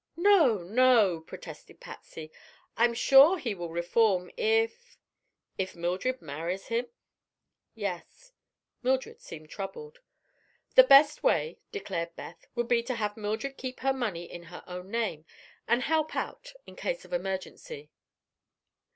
"No, no!" protested Patsy. "I'm sure he will reform if—" "If Mildred marries him?" "Yes." Mildred seemed troubled. "The best way," declared Beth, "would be to have Mildred keep her money in her own name, and help out in case of emergency."